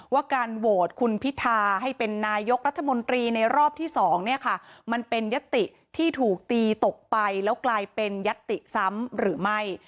ว่าการโหวตคุณพิธาให้เป็นนายกรัฐมนตรีในรอบที่๒เนี่ยค่ะมันเป็นยติที่ถูกตีตกไปแล้วกลายเป็นยัตติซ้ำหรือไม่